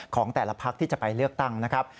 ของแต่ละพักที่จะไปเลือกตั้งนะครับ